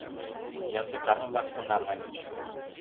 Языкан-влак ТУНАМ ыльыч.